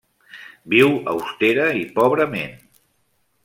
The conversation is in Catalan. Viu austera i pobrament.